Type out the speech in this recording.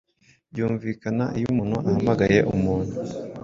byumvikana iyo umuntu ahamagaye umuntu